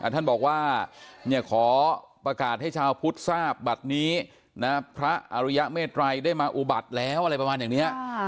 ท่านบอกว่าขอประกาศให้ชาวพุทธทราบบัตรนี้พระอริยเมตรัยได้มาอุบัติแล้วอะไรประมาณอย่างนี้